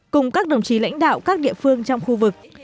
cùng các đồng chí lãnh đạo các địa phương trong khu vực